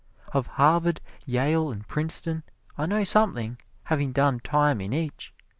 Of Harvard, Yale and Princeton I know something, having done time in each.